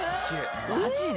マジで？